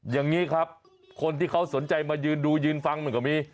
อย่างนี้ครับคนที่เขาสนใจมายืนดูยืนฟังมันก็มี